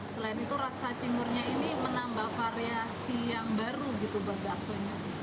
selain itu rasa cingurnya ini menambah variasi yang baru gitu bak baksonya